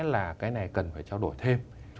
là cái này cần phải trao đổi thêm